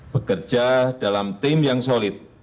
bekerja dalam tim yang solid